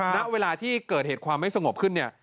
ณเวลาที่เกิดเหตุความไม่สงบขึ้นเนี่ย